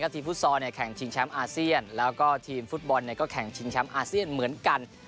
ทีมฟุตซอร์แข่งชิงแชมป์อาสเซียนทีมฟุตบอลแข่งชิงแชมป์อาสเซียนเหมือนกัน